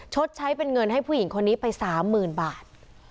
ชดใช้เป็นเงินให้ผู้หญิงคนนี้ไป๓๐๐๐บาท